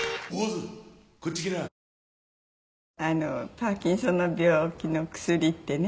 パーキンソンの病気の薬ってね